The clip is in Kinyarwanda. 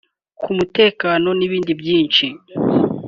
ku mutekano n’ibindi byinshi…